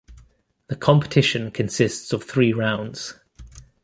The competition consists of three rounds.